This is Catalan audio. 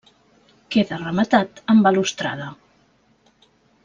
Queda rematat amb balustrada.